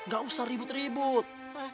gak usah ribut ribut